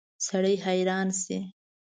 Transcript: سړی حیران شي.